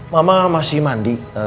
mama masih mandi